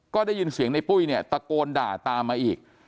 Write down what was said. ก็ได้ยินเสียงในปุ้ยเนี่ยตะโกนด่าตามมาอีก